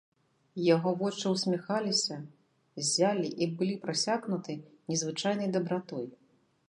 Яго вочы ўсміхаліся, ззялі і былі прасякнуты незвычайнай дабратой.